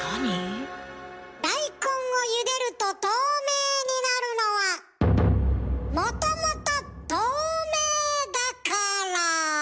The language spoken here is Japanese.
大根をゆでると透明になるのはもともと透明だから。